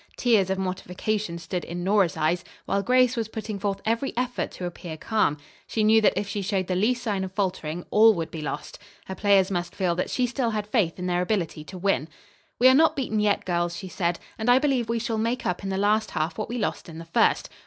Tears of mortification stood in Nora's eyes, while Grace was putting forth every effort to appear calm. She knew that if she showed the least sign of faltering all would be lost. Her players must feel that she still had faith in their ability to win. "We are not beaten yet, girls," she said, "and I believe we shall make up in the last half what we lost in the first.